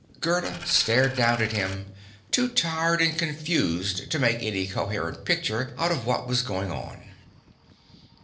Gerda stared down at him, too tired and confused to make any coherent picture out of what was going on.